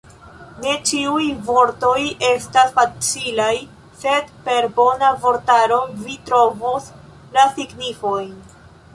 Ne ĉiuj vortoj estas facilaj, sed per bona vortaro, vi trovos la signifojn.